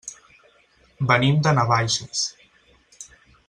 Venim de Navaixes.